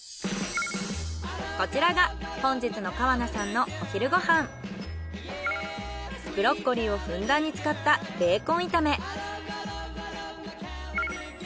こちらが本日のブロッコリーをふんだんに使ったベーコン炒め。